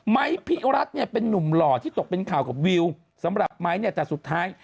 ไหมพิรัติเป็นหนุ่มหล่อที่ตกเป็นข่าวกับวิวสำหรับไหมแต่สุดท้าย